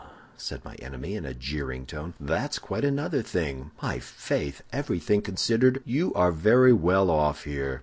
said my enemy, in a jeering tone, 'that's quite another thing. My faith! everything considered, you are very well off here.